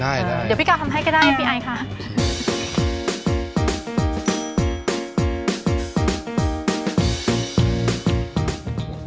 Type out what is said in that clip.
เดี๋ยวพี่กาวทำให้ก็ได้พี่ไอค่ะ